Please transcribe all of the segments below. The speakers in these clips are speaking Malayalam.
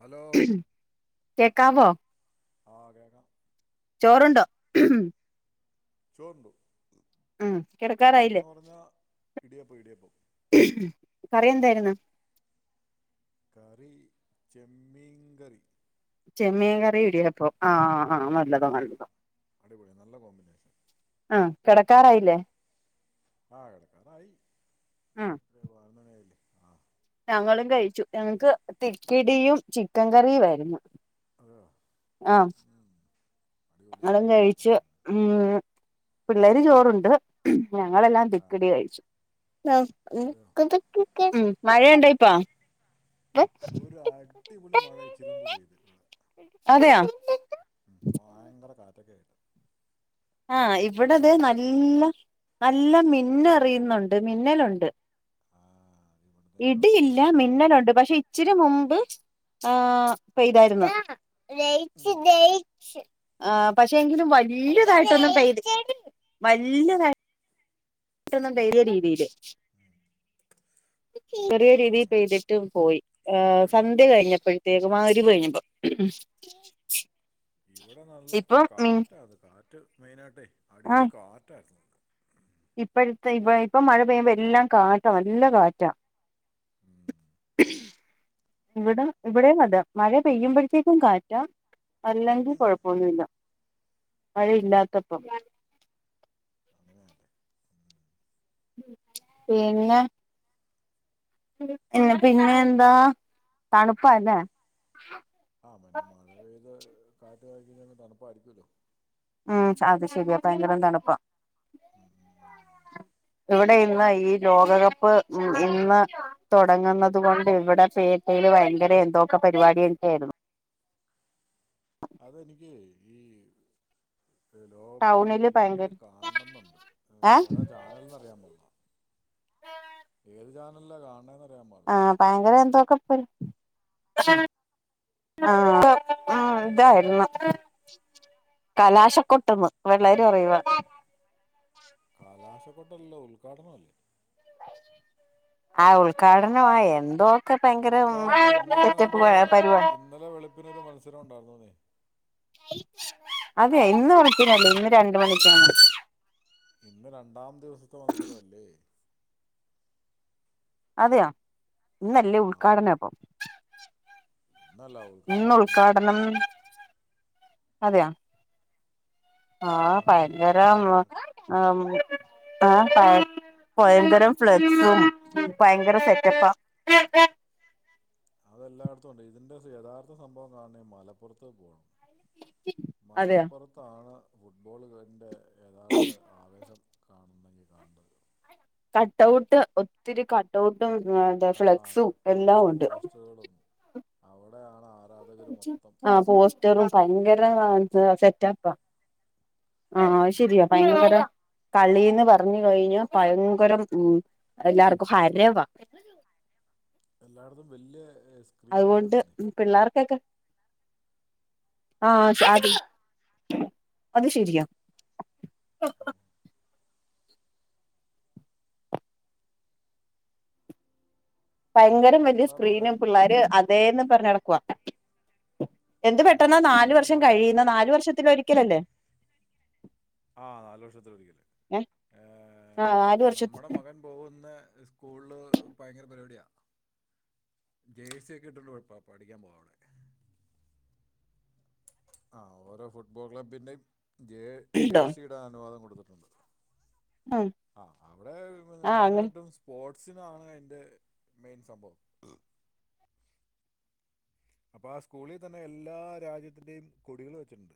ഹലോ കേക്കാവോ ആ കെക്കാട ചോറുണ്ടോ ചോറുണ്ടു ആ കിടക്കാറായില്ലേ ചോറെന്ന് പറഞ്ഞാൽ ഇടിയപ്പം ഇടിയപ്പം കറി എന്തായിരു ന്നു മ്മ് കറി ചെമ്മീൻ കറി ചെമ്മീൻ കറി ഇടിയപ്പൊ ആ ആഹ നല്ലതോ ആ നല്ലതോ അടിപൊളി നല്ല കോമ്പിനേഷൻ ആഹ കിടക്കറായില്ലേ ആഹ കടക്കറയി ഉം അണ ഞങ്ങളും കഴിച്ചു ഞങ്ങക്ക് തിക്കിടിയും ചിക്കൻ കറിയും ആയിരുന്നു അതെയോ ആഹ ഉം, അടിപൊളി അതും ആ, കഴിച്ച് ഉ പിള്ളേര് ചോറുണ്ട് ഞങ്ങളെല്ലാം ആ തിക്കിടി കഴിച്ചു അതെയോ തൊക്ക മഴയുണ്ടായിപ്പ ഒരു അടിപൊളി മഴ ഇച്ചിരി മുമ്പ് ഇവിടെ അതെയോ ഉം, ഭയങ്കര കാറ്റൊക്കെ ആയിട്ട് ആഹ ഉം, ഇവിടത് പകലൊന്ന് നല്ല എല്ലാം മിന്ന അറിയുന്നുണ്ട് മിന്നലുണ്ട് ആ ഇവിടുത്തെ ബാക്കി ഇടിയില്ല അങ്ങ് വന്നേരി മിന്നലുണ്ട് പക്ഷെ ഇച്ചിരി മുമ്പ് ആ ഇപ്പൊ ഇതായിരുന്നു ആ പക്ഷെ എങ്കിലും വല്യതായിട്ടൊന്നും പെയ്ത് വല്യതായി പിട്ടൊന്നും പെയ്ത രീതിയില് ചെറിയ രീതിയിൽ പെയ്തിട്ടും പോയി സന്ധ്യ കഴിഞ്ഞപ്പോഴ പ്രത്യേക മഗ്‌രിബ് കഴിഞ്ഞപ്പോ ഇവിടെ നല്ല ഇപ്പം മി കാറ്റത് കാറ്റ് മെയിനയിട്ടേ അടിപൊളി കാറ്റായിരുന്നു ഇപ്പഴത്തെ ഇപ്പ ഇപ്പൊ മഴ പെയ്യുമ്പോ എല്ലാം കാറ്റാ നല്ല കാറ്റാ ഉം ഉ ഇവിടെ ഇവിടെ അത മഴ പെയ്യുമ്പോഴത്തേക്കും കാറ്റ അല്ലെങ്കിൽ കൊഴപ്പൊന്നുമില്ല ആഹ് മഴയില്ലാത്തപ്പം അങ്ങനെയാല്ലേ ഉം പിന്നെ പിന്നെ എന്താ തണുപ്പാല്ലേ ആഹ് പിന്നെ മഴ പെയ്ത് കാറ്റ് കഴിഞ്ഞ തണുപ്പായിരിക്കല്ലോ ഉം അത് ശെരിയാ ഭയങ്കര തണുപ്പ ഉം ഉം ഉം ഇവിടെ ഇന്ന് ഈ ലോകകപ്പ് ഇന്ന് തുടങ്ങുന്നുന്നത് കൊണ്ട് ഇവിടെ പേ യില് ഭയങ്കര എന്തൊക്കെ പരിപാടിയൊക്കെയ ആയിരുന്നു അത എനിക്ക് ഈ ലോകപ്പ് ടൗണില് ടിവിയിൽ ഭയങ്കര കാണണം എന്നുണ്ട് ഏ ഏതാ ചാനൽന്ന് അറിയാൻ പാടില്ല ഏത് ചാനൽകാണെ ആഹ ഭയങ്കര എന്തോ കപ്പ് ആ ഇതായിരുന്നു കലാശകോ ട്ട് പിള്ളേര് ആഹ് പറയുവ ഉദ്ഘാടനം അല്ലേ ആ ഉദ്ഘാടനം ആ എന്തോ ഒക്കെ ഭയങ്കര ഉദ്ഘാടനം [inaudible] സെറ്റ് പരുവാണ് പിന്നൊ ഒരു മത്സരം ഉണ്ടായിരുന്നോന്നേ അതെയ ഇന്ന് വിളിക്കനല്ലേ ഇന്ന് രണ്ട് മണിക്കാണ് ഇന്ന് രണ്ടാം ദിവസത്തെ മത്സര അല്ലേ അതെയാ ഇന്നല്ലേ ആഹ് ഉദ്ഘാടനപ്പ ഇന്നല്ല ഇന്ന് ഉദ്ഘാടനം കഴിഞ്ഞു ഉദ്ഘാടനം അതെയ ആഹ ആഹ് കഴിഞ്ഞുന്നാ പയങ്കരം പറയണ ആ ഭയങ്കരം ഫ്ലക്സും ഭയങ്കര സെറ്റപ്പാ എല്ലായിടത്തും ഉണ്ട് ഇതിന്റെ യഥാർത്ഥ സംഭവം കാണ മലപ്പുറത്ത് പോകണം അതെയോ മലപ്പുറത്താണ് ഫുട്ബോളൾ കാളിന്റെ യഥാർത്ഥ ആവേശം കാണുന്നെങ്കിൽ കാണേണ്ടത് കട്ട്ഔട്ട് ഒത്തിരി കട്ട്ഔട്ട് ഉം ആ ഫ്ലെക്സും എല്ലാം കട്ടൗട്ടും ഉണ്ട് പോസ്റ്ററുകളും അവിടെയാണ് ആ ആഹ പോസ്റ്ററും ഒരു ഭയങ്കര സംഭവം സെറ്റപ്പാ ആഹ ഉം. ശരിയ ഭയങ്കക്ക കളിന്ന് പറഞ്ഞു കഴിഞ്ഞ ഭയങ്കരം ഉം എല്ലാർക്കും ഹരവ [unintelligible] എല്ലായിടത്തും വല്യ അതുകൊണ്ട് പിള്ളേർക്കൊക്കെ ആഹ [inaudible] അത് ശെരിയാ ഭയങ്കരം വല്യ നമ്മുടെ മകൻ സ്ക്രീന് പിള്ളോര് അതേന്ന് പറഞ്ഞഞ് നടടക്കവാ എന്ത് ഉം, പെട്ടെന്ന നാലു നമ്മുടെ വർഷം മകൻ കഴിയുന്നെ നാലു വർഷത്തില ഒരിക്കലല്ലേ ആ നാലു വർക്ഷത്തില ഒരിക്കല് ഏഹ് ഏ ആഹ് നാല് വർഷ നമ്മുടെ മകൻ പോകുന്ന സ്കൂളിൽ ഭയങ്കര പരിപാടിയാ ജേഴ്സിയൊക്കെ ഇട്ടുണ്ട് പഠിക്കാൻ പോവാന് ആ ഓരോ ഫുട്ബോൾ ക്ലബ്ബിന്റെയും ജ ണ്ടോ ജേഴ്സിയുടെ അനുവാദം കൊടുത്തിട്ടുണ്ട് ആ അവിടെ ആ മെയിന അങ്ങനെ ആയിട്ടും സ്പോ സിനാണ് അയിന്റെ മെയിൻ സംഭവം അപ്പൊ ആ സ്കൂളിൽ തന്നെ എല്ലാ രാജ്യത്തിന്റെയും കൊടികൾ വെച്ചിട്ടുണ്ട്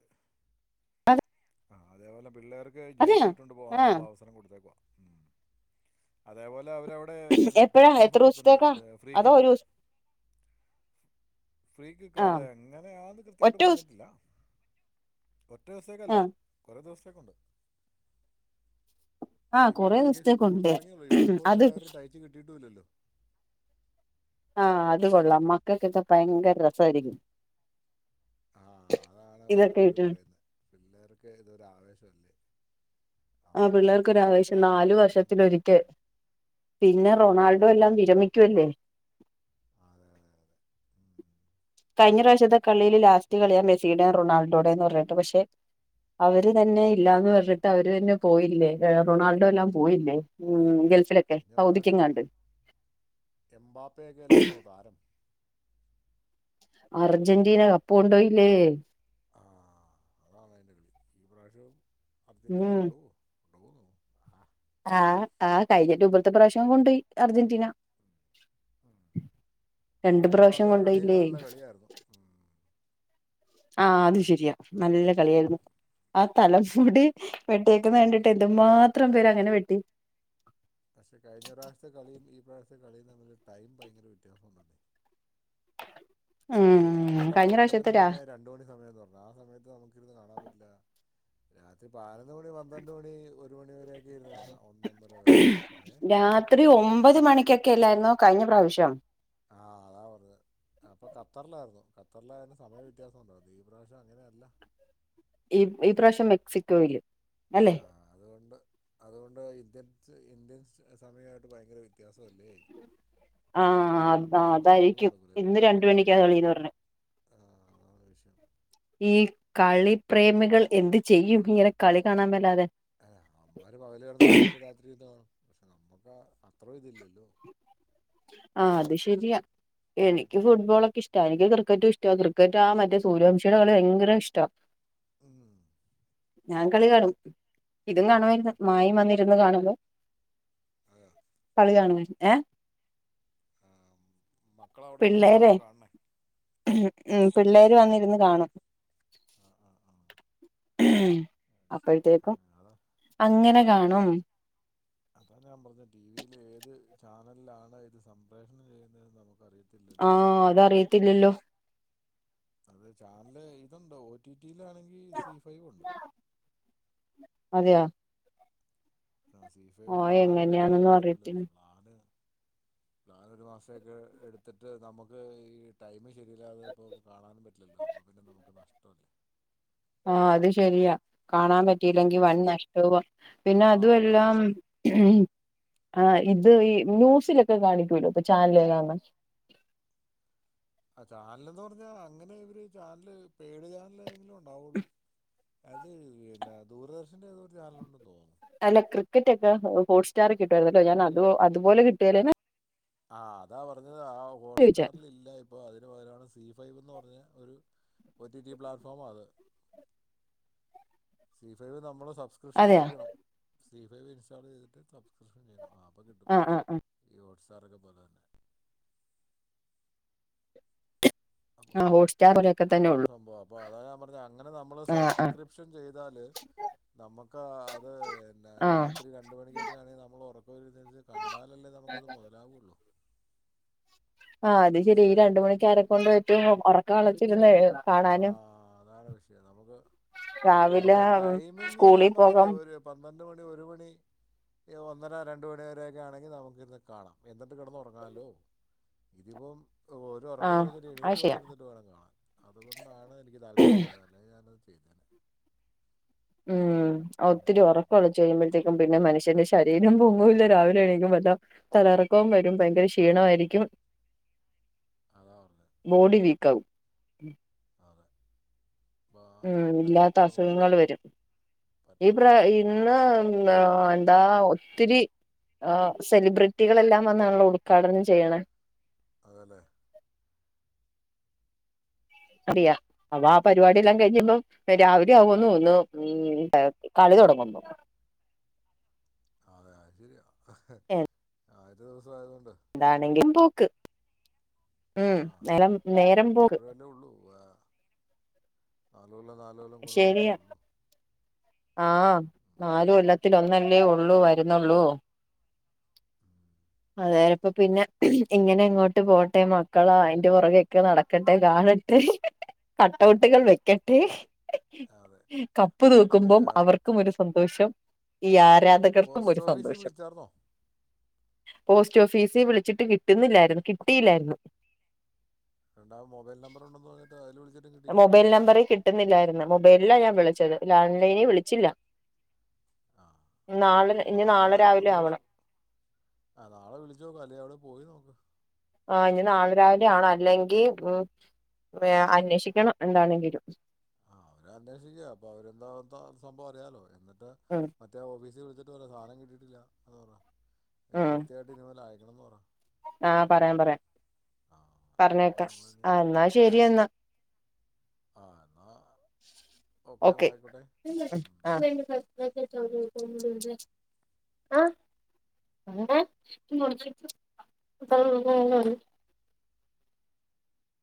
ആ അതേപോലെ പിള്ളേർക്ക് അതെയ ജേഴ്സി ഇട്ടുണ്ട് ആ പോകാനുള്ള അവസരം കൊടുത്തേക്കുവാ അതേപോലെ അവര് അവിടെ എപ്പഴാ കിക്കോഹു എത്ര എടുത്തുണ്ട് ദിവസത്തേക്കാ ഫ്രീ അതോ കിക്ക് ഒരു ദിവസം ഫ്രീ ക്രിക്ക് ആ അതെ എങ്ങനെയന്ന് ഒറ്റ കൃത്യായിട്ട് ദിവസം പറഞ്ഞിട്ടില്ല ഒരു ദിവസത്തേക്കല്ല ആ കുറെേ ദിവസത്തേക്കുണ്ട് ആ ഇപ്പ കൊറേ ആണെങ്കിൽ സ്കൂള് ദിവസത്തേക്കുണ്ട് തുടങ്ങിയള്ളൂ യൂണിഫോം അത് എല്ലാവരും തയ്ച്ച്കിട്ടിയിട്ടല്ലല്ലോ ആഹ അത് കൊള്ളാം മക്കൾക്കിത് ഭയങ്കര രസമായിരിക്കും ആഹ അതാണ് ഇതൊക്കെ അവര് ഇട്ട് പറയുന്നത് പിള്ളേർക്ക് ഇതൊരു ആവേശല്ലേ ആ പിള്ളേർക്കവശ്യം അങ്ങനെ നാലു ഇരിക്കട്ടെ എന്ന് പറഞ്ഞു വർഷത്തിലൊരിക്കേ പിന്നെ ആ റൊണാൾഡോ എല്ലാം വന്നതല്ലേ വിരമിക്കുവല്ലേ ആ, അതെ അതെ അതെ ഉം. കഴിഞ്ഞ പ്രാവശ്യത്തെ കളിയില് ലാസ്റ്റ് കളിയാം മെസ്സിയുടെേയും റൊണാൾഡോടെ എന്ന് പറഞ്ഞിട്ട് പക്ഷെ അവര് തന്നെ ഇല്ലാന്ന് പറഞ്ഞിട്ട് അവര് തന്നെ പോയില്ലേ റൊണാൾഡോ എല്ലാം ഉം. പോയില്ലേ ഉ ഗൾഫിലൊക്കെ സൗദിക്കിങ്ങാണ്ട് എംമ്പാപ്പയൊക്കെ അല്ലായിരുന്നു താരം അർജന്റീന കപ് കൊണ്ടോയില്ലേ ആ അതാണ് അതിൻ്റെ ഈ പ്രാവശ്യം അർജന്റീന കൊണ്ടു പോകുവോ ആഹ ആ കഴിഞ്ഞിട്ട് ഇപത്തെ പ്രാവശ്യം കൊണ്ട്പോയി അർജന്റീന ഉ രണ്ട് പ്രാവശ്യം എമ്പാപ്പയുടെ കൊണ്ടോയില്ലേ കളിക്കല്ല കളിയായിരുന്നു ഉ ആഹ അത് ശരിയാ നല്ല കളിയായിരുന്നു ആ തലമൂടി വെട്ടിയേക്കുന്ന കണ്ടിട്ട് എന്തുമാത്രം പേരങ്ങനെ വെട്ടി പക്ഷെ കഴിഞ്ഞ പ്രാവശത്തെ കളിയും ഈ പ്രാവശത്തെ കളിയും തമ്മില് ടൈം ഭയങ്കര വ്യത്യാസംണല്ലേ യ് ഉം നല്ല കഴിഞ്ഞ പ്രാവശ്യത്തെ ഉറക്കത്തിന്റെ രാ സമയായി രണ്ടു മണി സമയംന്ന് പറഞ്ഞു ആ സമയത്ത് നമക്കിരുന്ന് കാണാൻ പറ്റില്ല രാത്രി പതിനൊന്ന് മണി പന്ത്രണ്ട് മണി ഒരു മണി വരൊക്കെ ഇരുന്നു കാണാം ഒന്നൊ ഒന്നര വരെഒക്കെ ഏ ഒക്കല്ലായിരുന്നു കഴിഞ്ഞ പ്രാവശ്യം ആഹ അതാ പറഞ്ഞത് അപ്പൊ ഖത്തറിലായിരുന്നു ഖത്തറിലായൊണ്ട് സമയവ്യത്യാസംണ്ടോ ഈപ്രാവ്യം അങ്ങനെയ അല്ല ഈ ഈ പ്രാവശ്യം മെക്സിക്കോയില് ആ അല്ലെ അതുകൊണ്ട് അതുകൊണ്ട് ഇന്ത്യൻ ഇന്ത്യൻ സമയമായിട്ട് ഭയങ്കര വ്യത്യാസല്ലേ ആഹ അ അതായിരിക്കും ഇന്ന് രണ്ട് മണിക്കാണ് കളീന്ന് പറഞ്ഞു ആഹ അത ഒരു വിഷയം ഈ കളി പ്രേമികൾ എന്ത് ചെയ്യും ഇങ്ങനെ കളി കാണാൻ പറ്റാതെ അല്ല അവമ്മാര് പകല കിടന്നുറങ്ങിയിട്ട് രാത്രിന്ന പക്ഷെ നമ്മുക്ക് അത്ര ഇതില്ലല്ലോ ആ അത് ശരിയാ എനിക്ക് ഫുട്ബോളൊക്കെ ഇഷ്ട എനിക്ക് ക്രിക്കറ്റും ഇഷ്ട ക്രിക്കറ്റ് ആ മറ്റേ സൂര്യവംശിയുടെ കളി ഭയങ്കര ഇഷ്ട ഉം ഞാൻ കളി കാണും ഇതും ആ കാണുമായിരുന്നു മായ വന്നിരുന്ന് കാണുമ്പോ അതെയോ കളികാണുവായിരുന്ന് ഏഹ് ആ മക്കള അവിടെ പിള്ളേരെ നിന്നിരുന്നാണോ കാണണേ ഉ പിള്ളേര് വന്നിരുന്ന് കാണും ആ ആ ആ ഉം അത് ശരി അപ്പോഴത്തേക്കും ആ അതാ അങ്ങനെ കാണും അതാണ് ഞാൻ പറഞ്ഞത് ടിവിൽ ഏത് ചാനലിലാണ് ഇത് സംപ്രേഷണം ചെയ്യുന്നെന്ന് നമുക്ക് ആഹ അതാറിയത്തില്ലല്ലോ അതെ ചാനല് ഇതുണ്ടോ ടിവിയിലാണെങ്കിൽ സി ഫൈവ് ഉണ്ട് അതെയോ ആ സി ഫൈവ് ആഹ് പ്ലാന് എങ്ങനെയാന്നൊന്നും എടുക്കാനൊന്നും പറ്റൂലല്ലേ അറിയത്തില്ല പ്ലാന് പ്ലാൻ ഒരു മാസൊക്കെ എടുത്തിട്ട് നമുക്ക് ഈ ടൈമി ശരില്ല അത് ഇപ്പോ കാണാനും പറ്റില്ലല്ലോ അ പിന്നെ നമുക്ക് നഷ്ടം ആഹ അത് ശരിയാ കാണാൻ പറ്റിയില്ലെങ്കിൽ വൻ നഷ്ടവും പിന്നെ ആ അതും അതാണ് എല്ലാം പ്രശ്നം ആ ഇത് ഈ ന്യൂസിലൊക്കെ കാണിക്കൂലോ ഇപ്പൊ ചാനലെതന്നു [unintelligible] ചാനൽ എന്ന് പറഞ്ഞാ അങ്ങനെ ഇവര് ചാനല് പേഡ് ചാനല ആണെങ്കിലും ഉണ്ടാവുള്ളു അത് ദൂരദർശ അല്ല ക്രിക്കെറ്റൊക്കെ ഹോട്സ് കിട്ടമായിരുന്നല്ലോ ഞാൻ അത് അതുപോലെ കിട്ടിയാലേന ആഹ് അതാ പറഞ്ഞത് ആ ചോദിച്ചേ ഹോട്ട്സ്റ്റാറൽ ഇല്ല ഇപ്പൊ അതിനന് പകരമാണ് സി ഫൈവ്ന്ന് പറഞ്ഞൽ ഒരു ഒ ടി ടി പ്ലാറ്റ്ഫോമാ അത് സി ഫൈവ് നമ്മൾ സബ്സ്ക്രിപ്ഷൻ അതെയാ ചെയ്യണം സീ ഫൈവ് ഇൻസ്റ്റാൾ ചെയ്തിട്ട് സബ്സ്ക്രിപ്ഷൻ ചെയ്യണം ആ കിട്ടും ആഹ് ആഹ് ആഹ് ഈ ഓട്സാറൊക്കെ പോലന്നെ. ആ ഹോട്ട്സ്റ്റാർ ലൊക്കെ തന്നെ ഒള്ളു. അപ്പോ അതാ ഞാൻ പറഞെ അങ്ങനെ നമ്മള് സബ്സ്ക്രിപ്ഷൻ ചെയ്താല് നമുക്ക് അത് ആഹ് രാത്രി രണ്ട് മണിക്കൊക്കെ ആണെ നമ്മള് ഒറകൊയിഞെച് കണ്ടാലല്ലേ നമുക്കത് മൊതലാവുള്ളൂ. ആ അത് ശെരി ഈ മനസ്സിലായോ രണ്ട് മണിക്കാരെ കൊണ്ട് പറ്റും ഒറക്കം ഒളച്ചിരുന്നു കാണന് സാധാരണ വിഷയ നമുക്ക് ഏ ടൈമിങ് ഞാൻ സ്കൂളിൽ പറഞ്ഞില്ലേ പോകാം ഒരു പന്ത്രണ്ട് മണി ഒരു മണി ഏ വ ഒന്നര രണ്ട് മണിവരൊക്കെ ആണെങ്കി നമുക്കിര്ന്ന് കാണാം എന്നിട്ട് കെടന്ന് ഒറങ്ങാലോ ഇതിപ്പം ഓര് ഒറക്കം കെ ആഹ് കയിഞ്ഞിട്ട് അത് എണീറ്റ് ശരിയാ വന്നിരുന്നിട്ട് വേണം കാണാൻ അത് കൊണ്ടാണ് എനിക്ക് താല്പര്യല്ലാ അല്ലെ ഞാന ത് [inaudible] ഉം ഒത്തിരി ഒറകൊളച്ച് കഴുമ്പോഴത്തേക്കും പിന്നെ മനുഷ്യന്റെ ശരീരം പൊങ്ങൂല്ല രാവിലെ ണീക്കുമ്പോ താ തലറകോം വര് [unintelligible] ഭ യങ്കര ആ ക്ഷീണവായിരിക്കും. അതാ പറഞ്ഞത് ബോഡി വീക്ക ആവും. അതെ അപ്പോൾ ആ മ് ടൈം ഇല്ലാത്ത നമുക്ക് അസുഖങ്ങള് വരും ഈ പ്ര പറ്റാതായിപ്പോയി ഇന്ന് ന്നാ എന്താ ഒത്തിരി ആ സെലിബ്രിറ്റികളെല്ലാം വന്നാണ ല്ലോ ഉട്ഘാടനം ചെയ്യണെ അതെലെ? അദിയാ അപ്പ ആ പരിപാടില്ലാം കഴിഞ്ഞെ ര് മ്പം ആ, രാവിലെ ആ. ആവോന്ന് ഒന്നു മ് [unintelligible] അ ശരിയാ അ ഹ് അതോ ന്താണെങ്കി പോക്ക് ഉം ആ നെലം നേരം പോക്. വല്ലപ്പോഴല്ലേ ഉള്ളൂ [unintelligible] നാലല്ലം കൂടുമ്പേ ല്ലെ ശരിയാ ഉള്ളൂ. ഉം. നാലു കൊല്ലത്തി ഒന്നല്ലേ ഉള്ളൂ വരുന്നുള്ളൂ. ഉം. അതയപ്പ പിന്നെ ഇങ്ങനെ ഇങ്ങോട്ട് പോട്ടെ മക്കളാ അയിന്റെ പൊറകെക്കെ നടക്കട്ടെ കാള് കട്ടൗട്ടുകൾ വെയ്ക്കട്ടെ അതെ ഹ് കപ്പ് ഏ, തൂക്കുമ്പം അവർക്കും ഒരു സന്തോഷം ഈ ആ കർക്കും പോസ്റ്റ് ഒര് ഓഫീസിൽ സന്തോഷം വിളിച്ചായിരുന്നോ പോസ് സ്റ്റോ ഓഫീസി വിളിച്ചിട്ട് കിട്ടുന്നില്ലായ്രുന്നു കിട്ടില്ലായ്രുന്നു. രണ്ടാ മൊബൈൽ നമ്പർ ഒണ്ടന്ന് പറഞ്ഞിറ്റ് അയ്ല് വിളി മൊബൈൽ നമ്പറി കിട്ടുന്നില്ലായിരുന്നു മൊബൈല്ലാ ഞാ വിളിച്ചത് ലാൻലൈനി വിളിച്ചില്ല. ആ ന്നാ അപ്പം നാളെ ഒന്നുടെ ആ നാളെ വിളിച്ചോക് ല്ലെ അവ്ടെ പോയ് നോക്ക്. ആ ഇനി നാളെ രാവിലെ ആണ് അല്ലെങ്കി മ് [unintelligible] അന്വേഷിക്കണം എന്താണെങ്കിലും. അന്വേഷിക് അപ്പൊ അവരെന്താ ത്ത സംഭവം അറിയാലോ എന്നിട്ട് ഉം മറ്റേ ഓഫീസി ഇത് വരെ സാനം കിട്ടിട്ടില്ല എന്ന് പറ ഉം കൃത്യയിട്ട് ഇനി മുതൽ അയക്കണം ന്ന് പറ. ആ ഏ പറയാം പറയാം ആ അല്ലാതെ പറഞ്ഞേക്ക ഇപ്പം നമ്മൾ ആ എന്നാ ശരി എന്നാ. ആ എന്നാൽ ഓക്കെ എന്നാൽ ആയിക്കോട്ടെ ആ. [unintelligible] ഉം. ആ [unintelligible] [unintelligible]